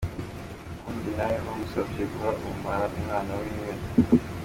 Uwundi nawe bamusavye guha ubumara umwana wiwe.